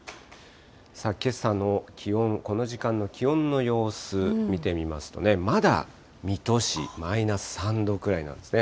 けさの気温、この時間の気温の様子、見てみますとね、まだ水戸市、マイナス３度くらいなんですね。